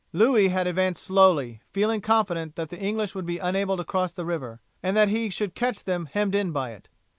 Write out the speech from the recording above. Louis had advanced slowly, feeling confident that the English would be unable to cross the river, and that he should catch them hemmed in by it.